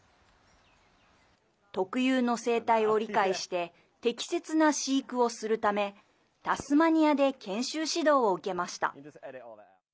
特有の生態を理解して適切な飼育をするためタスマニアで研修指導を受けました。